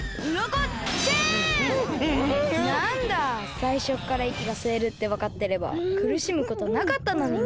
さいしょからいきがすえるってわかってればくるしむことなかったのにね。